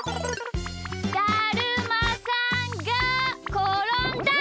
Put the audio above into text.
だるまさんがころんだ！